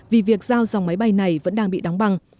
vì việc giao dòng máy bay này vẫn đang bị đóng băng